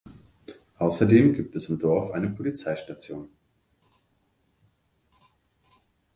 Außerdem gibt es im Dorf eine Polizeistation.